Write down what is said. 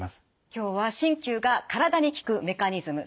今日は鍼灸が体に効くメカニズム。